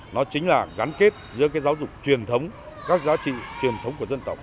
nó chính là gắn kết giữa giáo dục truyền thống các giá trị truyền thống của dân tộc